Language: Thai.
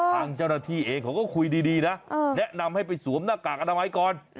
ทางเจ้าหน้าที่เองเขาก็คุยดีนะแนะนำให้ไปสวมหน้ากากอนามัยก่อน